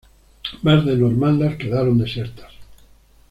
Más de normandas quedaron desiertas.